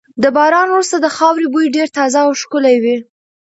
د باران وروسته د خاورې بوی ډېر تازه او ښکلی وي.